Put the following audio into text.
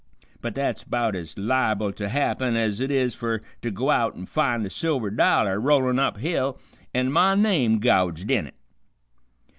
But that's 'bout ez liable to happen ez it is fer to go out an' find a silver dollar rollin' up hill an' my name gouged in it."